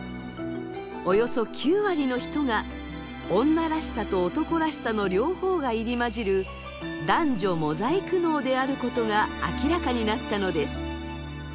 およそ９割の人が女らしさと男らしさの両方が入り交じる男女モザイク脳であることが明らかになったのです。